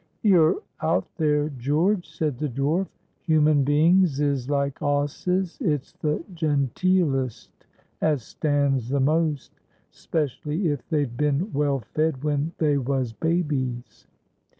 "You're out there, George," said the dwarf. "Human beings is like 'osses; it's the genteelest as stands the most. 'Specially if they've been well fed when they was babies."